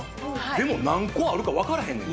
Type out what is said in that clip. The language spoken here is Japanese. でも何個あるかわからへんよ。